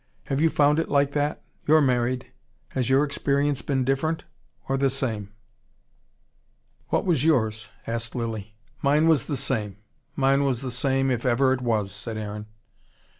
Have you found it like that? You're married. Has your experience been different, or the same?" "What was yours?" asked Lilly. "Mine was the same. Mine was the same, if ever it was," said Aaron.